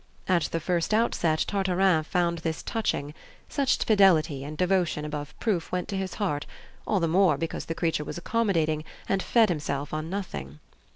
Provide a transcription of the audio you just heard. At the first outset Tartarin found this touching; such fidelity and devotion above proof went to his heart, all the more because the creature was accommodating, and fed himself on nothing.